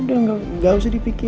udah gak usah dipikir